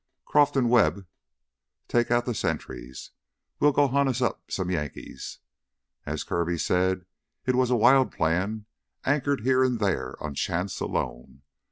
"Croff and Webb'll take out the sentries. We'll go hunt us up some Yankees." As Kirby said, it was a wild plan anchored here and there on chance alone.